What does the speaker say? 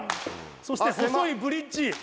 そして細いブリッジ。